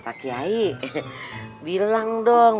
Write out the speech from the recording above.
pak kiai bilang dong